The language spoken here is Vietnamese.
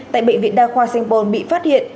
tại bệnh viện đa khoa sanh pôn bị phát hiện